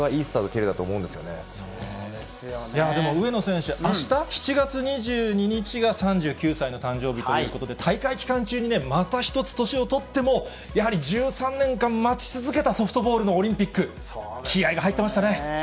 いやでも、上野選手、あした７月２２日が３９歳の誕生日ということで、大会期間中にまた１つ、年をとっても、やはり１３年間、待ち続けたソフトボールのオリンピック、気合いが入っていましたね。